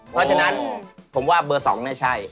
เพราะฉะนั้นผมว่าเบอร์๒เนี่ยใช่